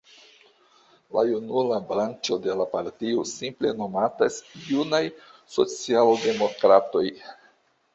La junula branĉo de la partio simple nomatas Junaj Socialdemokratoj.